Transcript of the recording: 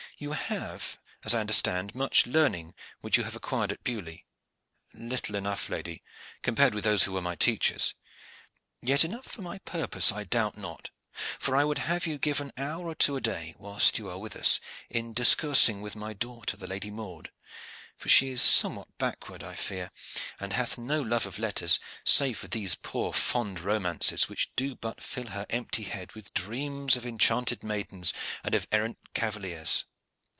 "You have, as I understand, much learning which you have acquired at Beaulieu." "Little enough, lady, compared with those who were my teachers." "Yet enough for my purpose, I doubt not. For I would have you give an hour or two a day whilst you are with us in discoursing with my daughter, the Lady Maude; for she is somewhat backward, I fear, and hath no love for letters, save for these poor fond romances, which do but fill her empty head with dreams of enchanted maidens and of errant cavaliers.